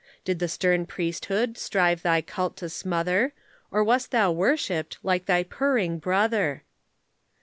Did the stern Priesthood strive thy cult to smother, Or wast thou worshipped, like thy purring brother?